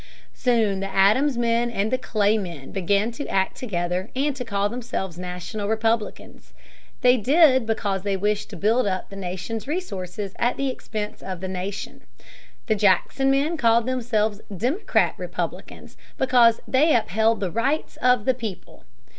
Soon the Adams men and the Clay men began to act together and to call themselves National Republicans. This they did because they wished to build up the nation's resources at the expense of the nation. The Jackson men called themselves Democratic Republicans, because they upheld the rights of the people.